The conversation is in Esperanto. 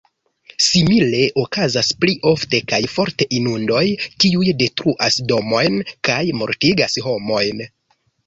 Simile okazas pli ofte kaj forte inundoj, kiuj detruas domojn kaj mortigas homojn.